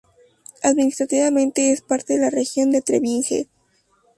Administrativamente, es parte de la región de Trebinje.